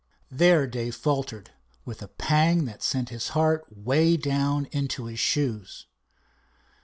There Dave faltered, with a pang that sent his heart way down into his shoes.